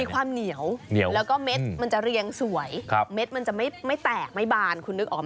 ความเหนียวแล้วก็เม็ดมันจะเรียงสวยเม็ดมันจะไม่แตกไม่บานคุณนึกออกไหม